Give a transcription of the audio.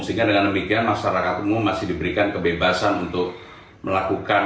sehingga dengan demikian masyarakat umum masih diberikan kebebasan untuk melakukan